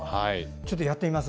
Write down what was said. ちょっとやってみます。